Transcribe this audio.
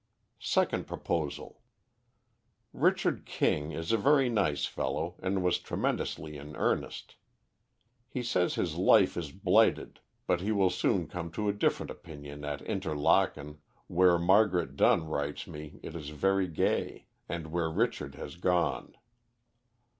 "Second proposal Richard King is a very nice fellow, and was tremendously in earnest. He says his life is blighted, but he will soon come to a different opinion at Interlaken, where Margaret Dunn writes me it is very gay, and where Richard has gone.